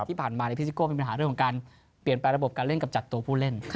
ที่ผ่านมาพี่ซิโก้มีปัญหาเรื่องของการเปลี่ยนแปลงระบบการเล่นกำจัดตัวผู้เล่น